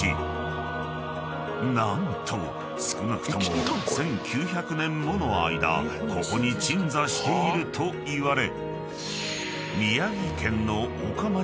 ［何と少なくとも１，９００年もの間ここに鎮座しているといわれ］